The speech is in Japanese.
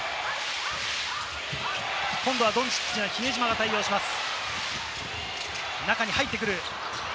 今度はドンチッチには比江島が対応します。